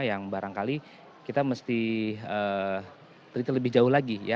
yang barangkali kita mesti triteri lebih jauh lagi ya